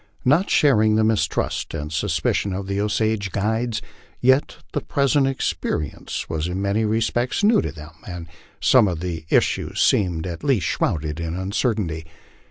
Not sharing the mistrust and suspicion of the Osage guides, yet the present experience was in many respects new to them, and to some the issue seemed at least shrouded in uncertainty.